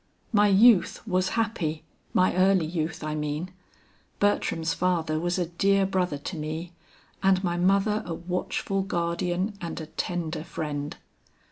"My youth was happy my early youth, I mean. Bertram's father was a dear brother to me, and my mother a watchful guardian and a tender friend.